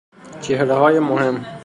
چهره های مهم